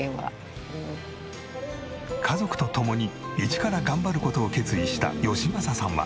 家族とともに一から頑張る事を決意した義正さんは。